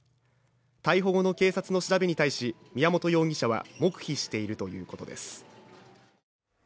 逮捕後の警察の調べに対し宮本容疑者は黙秘しているということです。